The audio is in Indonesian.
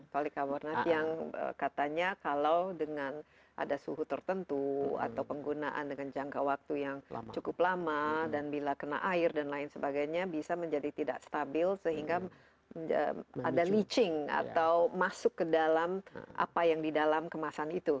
polica warnat yang katanya kalau dengan ada suhu tertentu atau penggunaan dengan jangka waktu yang cukup lama dan bila kena air dan lain sebagainya bisa menjadi tidak stabil sehingga ada leaching atau masuk ke dalam apa yang di dalam kemasan itu